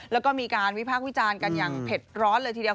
แล้วก็มีการวิพากษ์วิจารณ์กันอย่างเผ็ดร้อนเลยทีเดียว